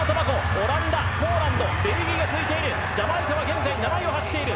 オランダポーランド、ベルギーと続いてジャマイカは現在７位を走っている。